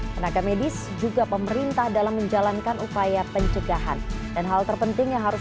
tenaga medis juga pemerintah dalam menjalankan upaya pencegahan dan hal terpenting yang harus